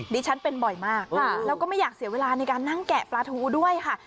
ดิฉันเป็นบ่อยมากแล้วก็ไม่อยากเสียเวลาในการนั่งแกะปลาทูด้วยค่ะ